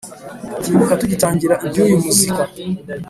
ndabyibuka tugitangira ibyuyu muzika